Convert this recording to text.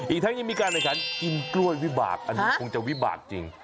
อีกทั้งยังมีการแข่งขันกินกล้วยวิบากอันนี้คงจะวิบากจริง